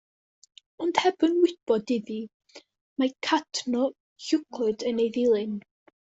Ond heb yn wybod iddi, mae cadno llwglyd yn ei dilyn.